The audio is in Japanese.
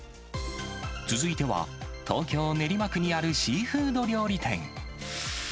続いては、東京・練馬区にあるシーフード料理店。